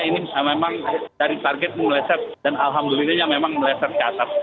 ini memang dari target meleset dan alhamdulillah yang memang meleset catat